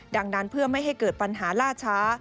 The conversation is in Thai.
ดังนั้นเพื่อไม่ให้เกิดปัญหาล่าช้า